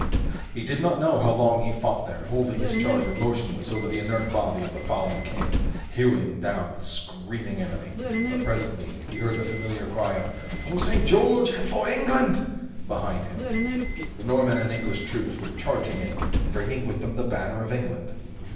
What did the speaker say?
He did not know how long he fought there, holding his charger motionless over the inert body of the fallen king, hewing down the screaming enemy, but presently he heard the familiar cry of "For St. George and for England" behind him. The Norman and English troops were charging in, bringing with them the banner of England!